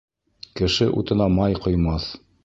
Кеше утына май ҡоймаҫ.